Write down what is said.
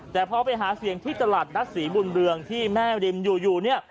แต่พอไปหาเสียงที่ตลาดรัศน์สีบุญเรืองที่แม่ริมอยู่